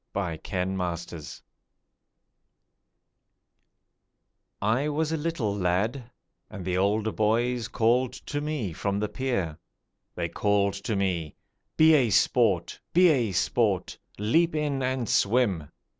A GOOD SPORT I WAS a little lad, and the older boys called to me from the pier: They called to me: 'Be a sport: be a sport! Leap in and swim!